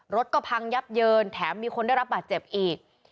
รถก็พังยับเยินแถมมีคนได้รับบาดเจ็บอีก